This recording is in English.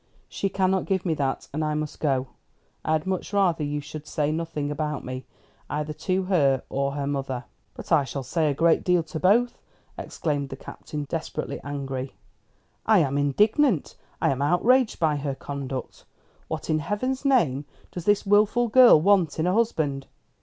She cannot give me that, and I must go. I had much rather you should say nothing about me, either to her or her mother." "But I shall say a great deal to both," exclaimed the Captain, desperately angry. "I am indignant. I am outraged by her conduct. What in Heaven's name does this wilful girl want in a husband?